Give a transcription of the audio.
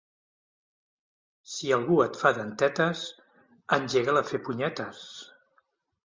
Si algú et fa dentetes, engega'l a fer punyetes.